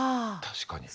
確かに。